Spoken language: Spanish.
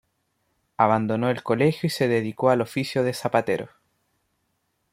Abandonó el colegio y se dedicó al oficio de zapatero.